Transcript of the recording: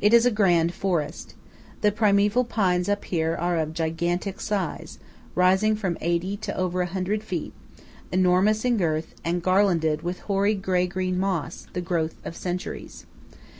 It is a grand forest. The primeval pines up here are of gigantic size, rising from eighty to over a hundred feet, enormous in girth, and garlanded with hoary grey green moss, the growth of centuries.